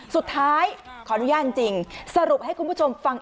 สุดท้ายขออนุญาตจริงสรุปให้คุณผู้ชมฟัง